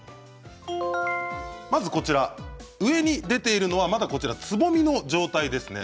まず上に出ているのはつぼみの状態ですね。